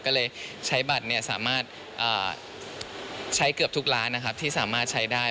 ก็เลยใช้บัตรสามารถใช้เกือบทุกร้านนะครับที่สามารถใช้ได้